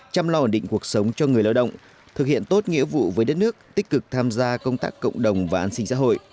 chăm lo ổn định cuộc sống cho người lao động thực hiện tốt nghĩa vụ với đất nước tích cực tham gia công tác cộng đồng và an sinh xã hội